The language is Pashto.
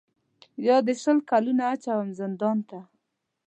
یا دي شل کلونه اچوم زندان ته